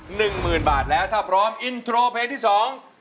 หนึ่งหมื่นบาทแล้วถ้าพร้อมอินโทรเพลงที่สอง